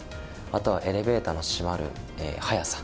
あとはエレベーターの閉まる早さ。